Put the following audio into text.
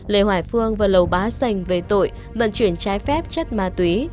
lê hoài phương và lầu bá sành về tội vận chuyển trái phép chất ma túy